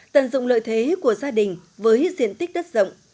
tận dụng lợi thế của gia đình với diện tích đất rộng